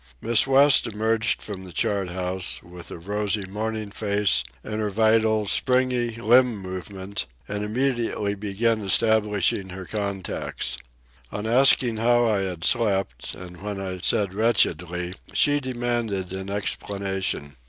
Miss West emerged from the chart house, with a rosy morning face and her vital, springy limb movement, and immediately began establishing her contacts. On asking how I had slept, and when I said wretchedly, she demanded an explanation.